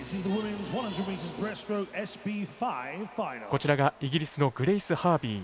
こちらがイギリスのグレイス・ハービー。